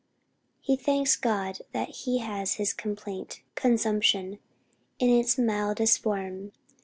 He thanks God that he has his complaint consumption in its mildest form.